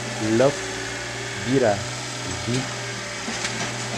Lekh, bîra, vîe.